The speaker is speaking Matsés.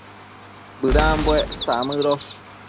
Bëdambuec samëdosh